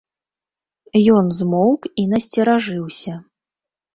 Ён змоўк і насцеражыўся.